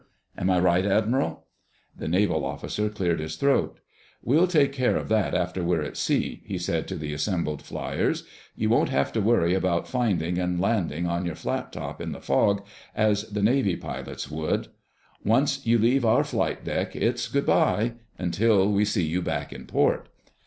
Am I right, Admiral?" The naval officer cleared his throat. "We'll take care of that after we're at sea," he said to the assembled fliers. "You won't have to worry about finding and landing on your flat top in the fog, as the Navy pilots would. Once you leave our flight deck it's good by—until we see you back in port."